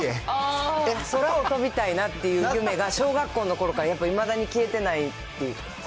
空を飛びたいなっていう夢が、小学校のころからいまだに消えてないっていう。